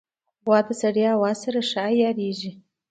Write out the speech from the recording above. غوا د سړې هوا سره ښه عیارېږي.